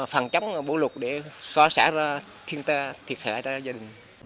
phòng chống bộ lục để xóa xã thiệt hại ra dân